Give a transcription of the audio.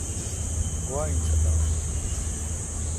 گوا این صدام۔